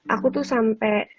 aku tuh sampe